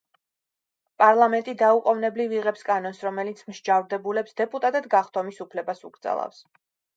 პარლამენტი დაუყოვნებლივ იღებს კანონს, რომელიც მსჯავრდებულებს დეპუტატად გახდომის უფლებას უკრძალავს.